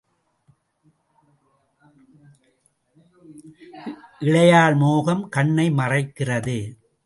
இளையாள் மோகம் கண்ணை மறைக்கிறது.